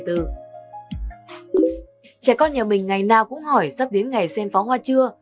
trẻ con nhà mình ngày nào cũng hỏi sắp đến ngày xem phó hoa chưa